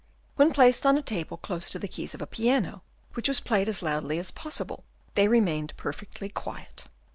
When placed on a table close to the keys of a piano, which was played as loudly as possible, they remained perfectly quiet.